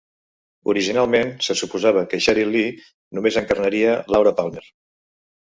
Originalment, se suposava que Sheryl Lee només encarnaria Laura Palmer.